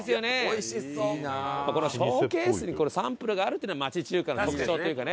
このショーケースにサンプルがあるっていうのは町中華の特徴というかね。